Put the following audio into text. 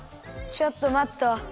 ちょっと待っと。